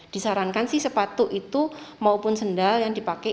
disarankan sih sepatu itu maupun sendal yang dipakai